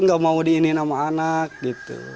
nggak mau diiniin sama anak gitu